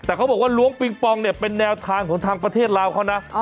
แต่เขาบอกว่าล้วงปิงปองเนี่ยเป็นแนวทางของทางประเทศลาวเขานะ